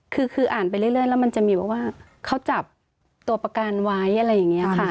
คืออ่านไปเรื่อยแล้วมันจะมีแบบว่าเขาจับตัวประกันไว้อะไรอย่างนี้ค่ะ